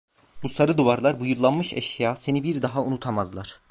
Bu sarı duvarlar, bu yıllanmış eşya seni bir daha unutamazlar.